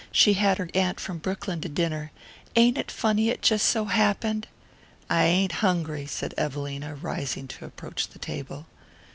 She had her aunt from Brooklyn to dinner. Ain't it funny it just so happened?" "I ain't hungry," said Evelina, rising to approach the table.